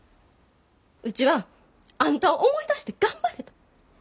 うちはあんたを思い出して頑張れた。